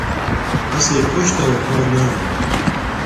اسݵئ کݸشتݳ وفݳ نݳ